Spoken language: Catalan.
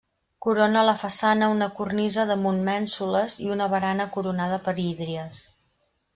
Corona la façana una cornisa damunt mènsules i una barana coronada per hídries.